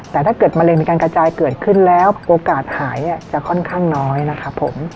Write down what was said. แต่ถ้าเกิดมะเร็งมีการกระจายเกิดขึ้นแล้วโอกาสหายจะค่อนข้างน้อยนะครับผม